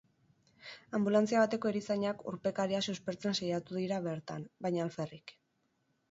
Anbulantzia bateko erizainak urpekaria suspertzen saiatu dira bertan, baina alferrik.